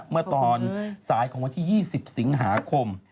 เมื่อตอนสายของวันที่๒๐สิงหาคม